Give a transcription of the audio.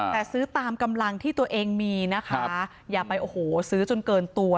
แต่ซื้อตามกำลังที่ตัวเองมีนะคะอย่าไปโอ้โหซื้อจนเกินตัว